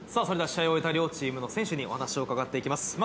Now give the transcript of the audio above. それでは試合を終えた両チームの選手にお話を伺って行きます